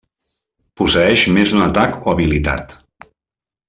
Posseeix més d'un atac o habilitat.